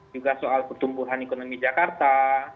juga soal pertumbuhan ekonomi jakarta